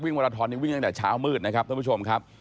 วิ่งมาราทอนนี้วิ่งตั้งแต่เช้ามืดนะครับทุกผู้ชมครับ